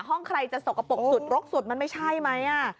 ใครจะสกปรกสุดรกสุดมันไม่ใช่ไหม